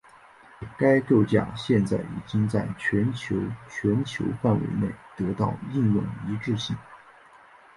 该架构现在已经在全球全球范围内得到应用一致性。